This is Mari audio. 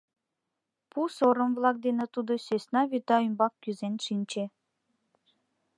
Пу сорым-влак дене тудо сӧсна вӱта ӱмбак кӱзен шинче.